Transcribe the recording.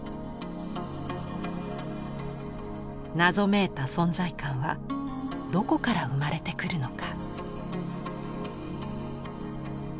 謎めいた存在感はどこから生まれてくるのか。